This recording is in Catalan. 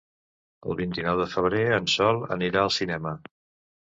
El vint-i-nou de febrer en Sol anirà al cinema.